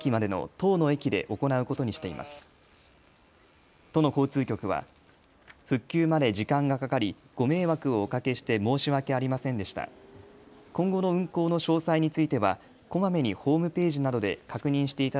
都の交通局は復旧まで時間がかかり、ご迷惑をおかけして申し訳ありませんでした。